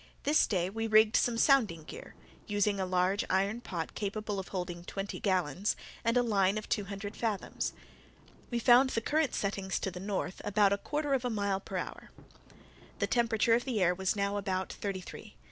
This day we rigged some sounding gear, using a large iron pot capable of holding twenty gallons, and a line of two hundred fathoms. We found the current setting to the north, about a quarter of a mile per hour. The temperature of the air was now about thirty three.